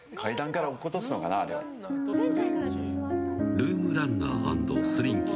ルームランナー＆スリンキー。